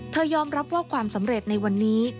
ยอมรับว่าความสำเร็จในวันนี้